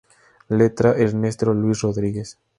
Letra: Ernesto Luis Rodríguez.